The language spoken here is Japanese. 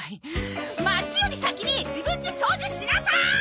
町より先に自分ち掃除しなさい！！